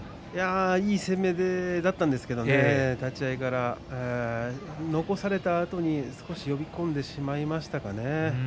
いい攻めだったんですけれど、立ち合いから残されたあとに少し呼び込んでしまいましたかね。